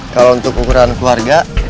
kalo untuk ukuran keluarga